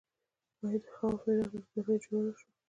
آیا د خواف هرات ریل پټلۍ جوړه نه شوه؟